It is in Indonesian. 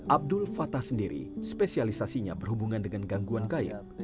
abdul fatah sendiri spesialisasinya berhubungan dengan gangguan kaya